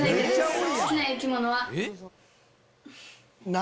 何？